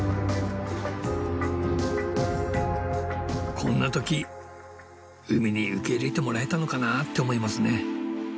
こんな時海に受け入れてもらえたのかなって思いますね。